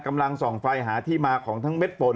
กำลังส่องไฟหาที่มาของทั้งเม็ดฝน